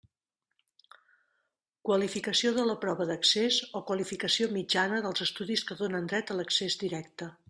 Qualificació de la prova d'accés o qualificació mitjana dels estudis que donen dret a l'accés directe.